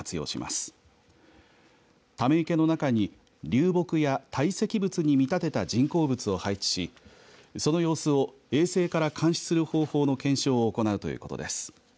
ため池の中に流木や堆積物に見立てた人工物を配置しその様子を衛星から監視する方法の検証を行うということです。